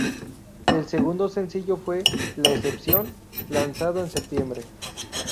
El segundo sencillo fue "La excepción", lanzado en septiembre.